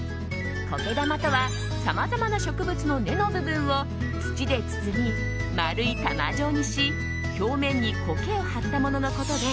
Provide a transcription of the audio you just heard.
苔玉とは、さまざまな植物の根の部分を土で包み丸い玉状にし表面に苔を貼ったもののことで